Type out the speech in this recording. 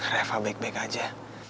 reva baik baik aja